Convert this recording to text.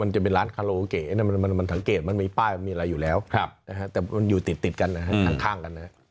มันจะเป็นร้านคาโลเก๋มันสังเกตมันมีป้ายมันมีอะไรอยู่แล้วแต่มันอยู่ติดกันนะฮะข้างกันนะครับ